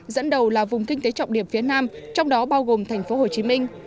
dẫn đầu là vùng kinh tế trọng điểm phía nam trong đó bao gồm thành phố hồ chí minh